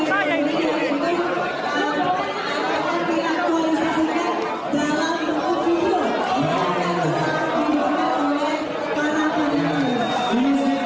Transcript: berdasarkan salah umumnya witcher jangat dari tahun tactical air rebus kembali hingga dua puluh satu imaginasi kepala mereka